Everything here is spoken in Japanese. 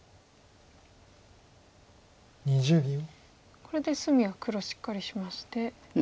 これで隅は黒しっかりしまして。